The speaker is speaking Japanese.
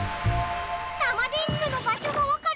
タマ電Ｑの場しょがわかる